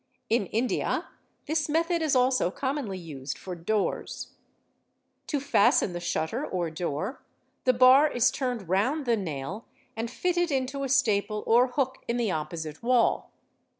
In India this method is also commonly used for doors: to fasten the shutter or door the bar is turned round the nail and fitted into a staple or hook in the opposite wall.